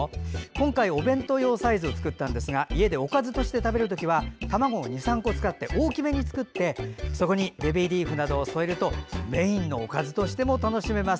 今回はお弁当用のサイズを作ったんですが家でおかずとして食べる時は卵を２３個使って大きめに作って、そこにベビーリーフなどを添えるとメインのおかずとしても楽しめます。